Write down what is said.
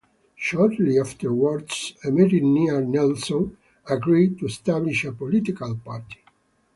Shortly afterwards, a meeting near Nelson agreed to establish a political party.